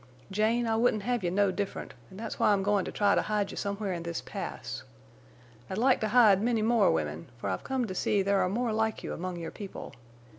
Jane, I wouldn't have you no different, an' that's why I'm going to try to hide you somewhere in this Pass. I'd like to hide many more women, for I've come to see there are more like you among your people.